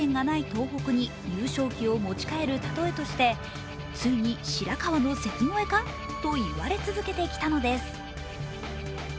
東北に優勝旗を持ち帰るたとえとしてついに白河の関越えかと言われ続けてきたのです。